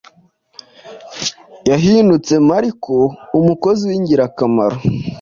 yahindutse Mariko umukozi w’ingirakamaro.